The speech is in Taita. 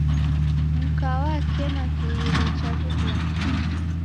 Mka wakema kililo cha w'ughoma